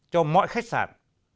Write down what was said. cho mọi khách sạn